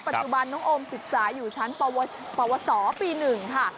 ปัจจุบันน้องโอมศึกษาอยู่ชั้นปวสปี๑ค่ะ